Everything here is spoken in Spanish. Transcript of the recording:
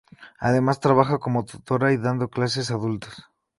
Además trabaja como tutora y dando clases a adultos.